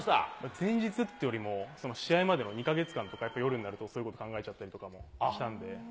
前日っていうよりも、試合までの２か月間とか、夜になるとそういうこと考えちゃったりもしたんで。